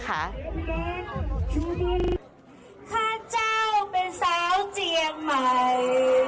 ข้าเจ้าเป็นสาวเจียงใหม่